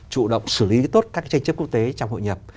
chủ động xử lý tốt các tranh chấp quốc tế trong hội nhập